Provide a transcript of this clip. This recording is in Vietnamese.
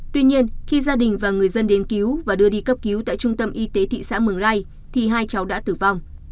tuy nhiên khi gia đình và người dân đến cứu và đưa đi cấp cứu tại trung tâm y tế thị xã mường lây thì hai cháu đã tử vong